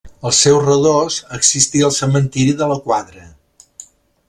Al seu redós existí el cementiri de la quadra.